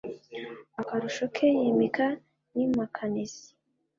akarusho ke yimika n’impakanizi.